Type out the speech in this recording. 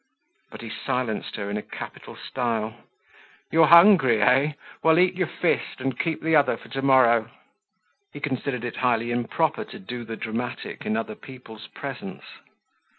But he silenced her in a capital style, "You're hungry, eh? Well, eat your fist, and keep the other for to morrow." He considered it highly improper to do the dramatic in other people's presence.